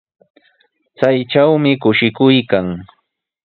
Chaytrawmi kushikuy kan.